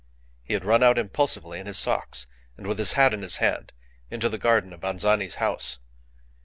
He had run out impulsively in his socks, and with his hat in his hand, into the garden of Anzani's house.